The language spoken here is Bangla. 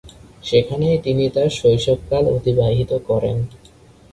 সেখানেই তিনি তার শৈশবকাল অতিবাহিত করেন।